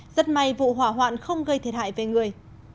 rất may vụ hỏa hoạn không gây thiệt hại về người